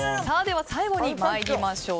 最後に参りましょう。